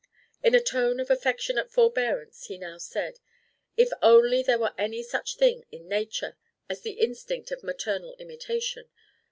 In a tone of affectionate forbearance he now said: "If only there were any such thing in Nature as the instinct of maternal imitation!